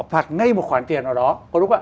phạt ngay một khoản tiền ở đó